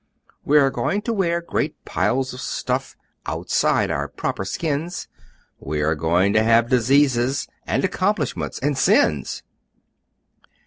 We are going to wear great piles of stuff Outside our proper skins! We are going to have Diseases! And Accomplishments!! And Sins!!!"